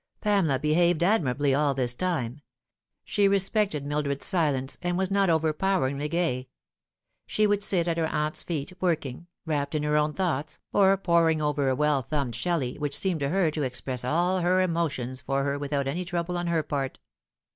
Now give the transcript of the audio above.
Pamela behaved admirably all this time. She respected Mildred's silence, and was not overpoweringly gay. She would sit at her aunt's feet working, wrapped in her own thoughts, or poring over a well thumbed Shelley, which seemed to her to express all her emotions for her without any trouble on her part.